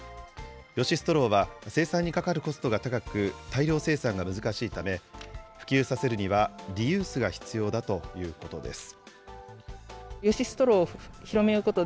ヨシストローは生産にかかるコストが高く、大量生産が難しいため、普及させるにはリユースが必要だということです。